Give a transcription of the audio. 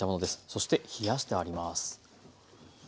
そして冷やしてあります。